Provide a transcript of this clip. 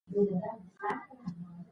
پښتو ژبه د ژور فکر پایله ده.